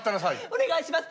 お願いします。